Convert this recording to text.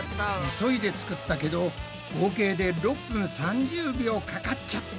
急いで作ったけど合計で６分３０秒かかっちゃった。